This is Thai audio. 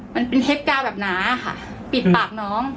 มันเป็นเทปกาวแบบหนาค่ะปิดปากน้อง